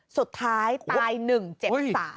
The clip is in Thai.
สุดท้ายตาย๑เจ็บ๓